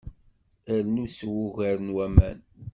Rnu sew ugar n waman.